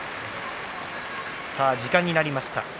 時間になりました。